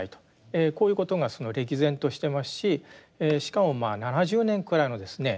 こういうことが歴然としてますししかも７０年くらいのですね